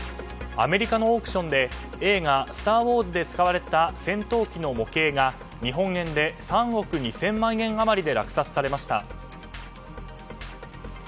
アメリカのオークションで映画「スター・ウォーズ」で使われた戦闘機の模型が日本円で３億２０００万円余りで落札されました。